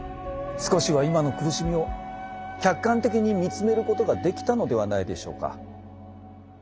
少しは今の苦しみを客観的に見つめることができたのではないでしょうか？